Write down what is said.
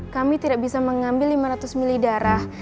kami tidak bisa mengambil lima ratus mili darah